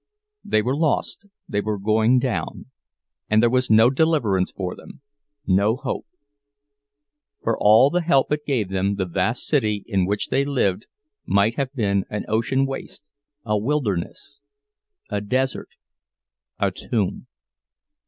They were lost, they were going down—and there was no deliverance for them, no hope; for all the help it gave them the vast city in which they lived might have been an ocean waste, a wilderness, a desert, a tomb.